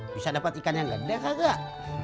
bisa dapet ikan yang gede kakak